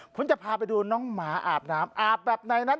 ผมจะพาไปดูน้องหมาอาบน้ำอาบแบบไหนนะ